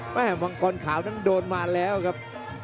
มังกรขาวนั้นโดนมาแล้วครับ